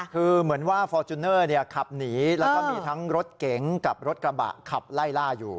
คือเหมือนว่าฟอร์จูเนอร์ขับหนีแล้วก็มีทั้งรถเก๋งกับรถกระบะขับไล่ล่าอยู่